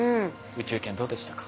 宇宙研どうでしたか？